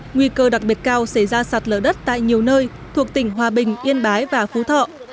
nguy cơ đặc biệt cao xảy ra sạt lở đất tại nhiều nơi thuộc tỉnh hòa bình yên bái và phú thọ